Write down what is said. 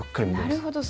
なるほど。